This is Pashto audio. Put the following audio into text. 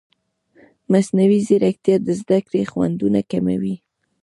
مصنوعي ځیرکتیا د زده کړې خنډونه کموي.